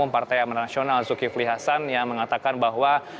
partai amanat nasional zulkifli hasan yang mengatakan bahwa